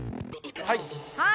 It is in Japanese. はい。